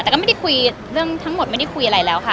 แต่ก็ไม่ได้คุยเรื่องทั้งหมดไม่ได้คุยอะไรแล้วค่ะ